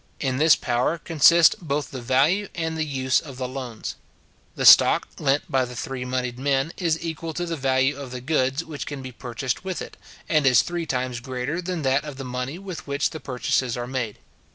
In this power consist both the value and the use of the loans. The stock lent by the three monied men is equal to the value of the goods which can be purchased with it, and is three times greater than that of the money with which the purchases are made.